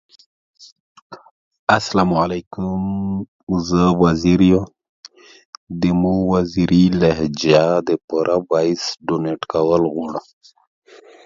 Backronyms are sometimes created to name laws or programs.